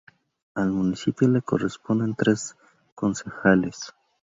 Al municipio le corresponden tres concejales.